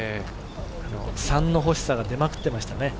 ３の欲しさが出まくっていましたね。